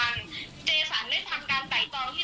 เจสันได้ทำการต่ายต้องที่จะฆ่าพี่สาวหนูไว้ก่อนแล้ว